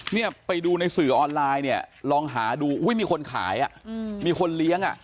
เนี่ยไปดูในสื่อออนไลน์เนี่ยลองหาดูอุ้ยมีคนขายอ่ะมีคนเลี้ยงอ่ะ